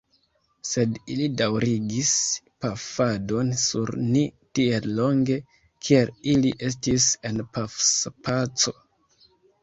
Sed, ili daŭrigis pafadon sur ni tiel longe, kiel ili estis en pafspaco.